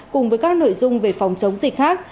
cùng với các nội dung về phòng chống dịch khác